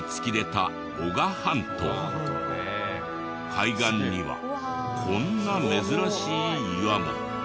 海岸にはこんな珍しい岩が。